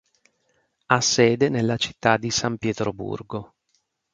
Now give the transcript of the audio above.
Ha sede nella città di San Pietroburgo.